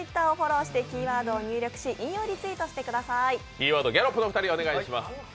キーワード、ギャロップの２人、お願いします。